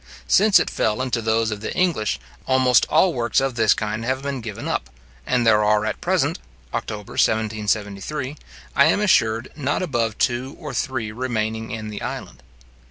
Since it fell into those of the English, almost all works of this kind have been given up; and there are at present (October 1773), I am assured, not above two or three remaining in the island.